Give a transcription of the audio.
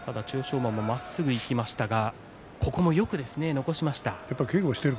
馬もまっすぐいきましたがここもよく残しました。